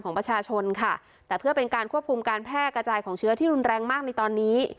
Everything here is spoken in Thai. ของประชาชนค่ะแต่เพื่อเป็นการควบคุมการแพร่กระจายของเชื้อที่รุนแรงมากในตอนนี้